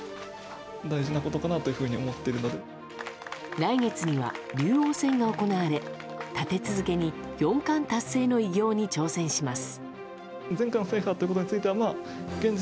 来月には竜王戦が行われ立て続けに四冠達成の偉業に挑戦します。